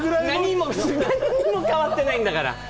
何も変わってないんだから！